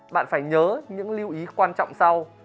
bạn phải nhớ những lưu ý quan trọng sau